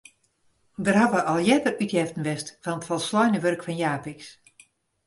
Der hawwe al earder útjeften west fan it folsleine wurk fan Japicx.